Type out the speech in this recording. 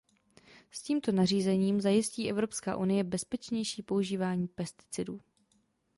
S tímto nařízením zajistí Evropská unie bezpečnější používání pesticidů.